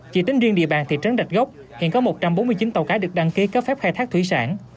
chỉ tính riêng địa bàn thị trấn rạch gốc hiện có một trăm bốn mươi chín tàu cá được đăng ký cấp phép khai thác thủy sản